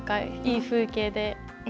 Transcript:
いい風景で。